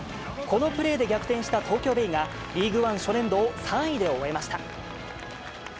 このプレーで逆転した東京ベイが、リーグワン初年度を３位で終えました。